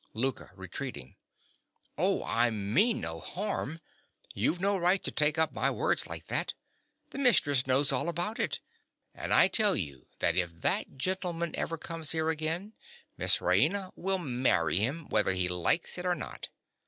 LOUKA. (retreating). Oh, I mean no harm: you've no right to take up my words like that. The mistress knows all about it. And I tell you that if that gentleman ever comes here again, Miss Raina will marry him, whether he likes it or not.